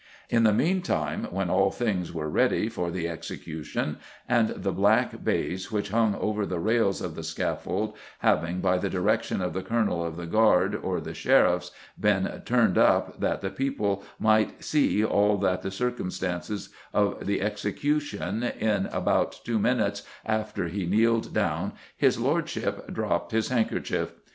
In the meantime, when all things were ready for the execution, and the black bays which hung over the rails of the scaffold having, by the direction of the Colonel of the Guard, or the Sheriffs, been turned up that [Illustration: THE BLOCK, AXE, AND EXECUTIONER'S MASK] the people might see all the circumstances of the execution, in about two minutes after he kneeled down his lordship dropped his handkerchief.